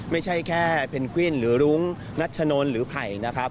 ไม่ใช่แค่เพนกวินหรือรุ้งนัชนนหรือไผ่นะครับ